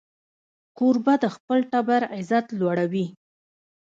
کوربه د خپل ټبر عزت لوړوي.